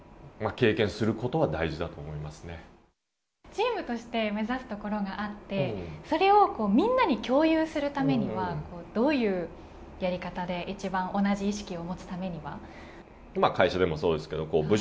チームとして目指すところがあってそれをみんなに共有するためにはどういうやり方で一番同じ意識を持つためには。